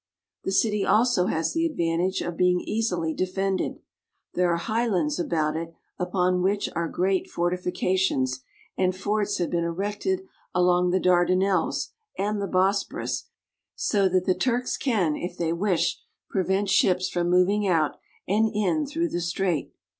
The city also has the advantage of being easily defended. There are high lands about it, upon which are great fortifications, and forts Along .the Bosporus. have been erected along the Dardanelles and the Bosporus, so that the Turks can, if they wish, prevent ships from moving out and in through the strait.